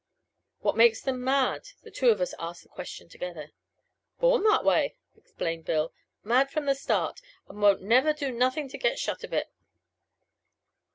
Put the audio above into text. "What makes them mad?" The two of us asked the question together. "Born that way!" explained Bill "mad from the start, and won't never do nothin' to get shut of it."